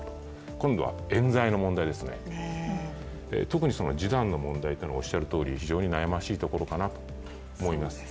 今度はえん罪の問題ですね、特に示談の問題というのは非常に悩ましいところかなと思います。